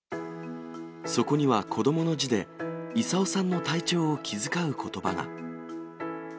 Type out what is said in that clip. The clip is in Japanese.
そこには子どもの字で、功さんの体調を気遣うことばが。